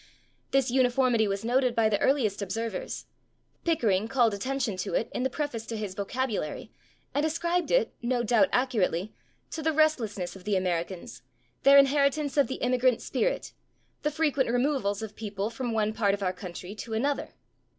This uniformity was noted by the earliest observers; Pickering called attention to it in the preface to his Vocabulary and ascribed it, no doubt accurately, to the restlessness of the Americans, their inheritance of the immigrant spirit, "the frequent removals of people from one part of our country to another."